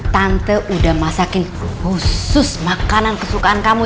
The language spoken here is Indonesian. tante udah masakin khusus makanan kesukaan kamu